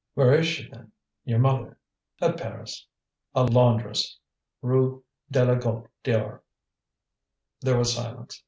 "Where is she, then, your mother?" "At Paris. Laundress, Rue de la Goutte d'or." There was silence.